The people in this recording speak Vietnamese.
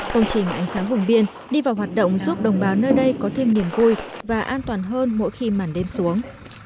công trình ánh sáng vùng biên đi vào hoạt động giúp đồng bào nơi đây có thêm niềm vui và an toàn hơn mỗi khi màn đêm xuống